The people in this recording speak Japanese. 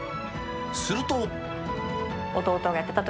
すると。